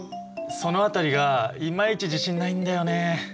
その辺りがいまいち自信ないんだよねえ。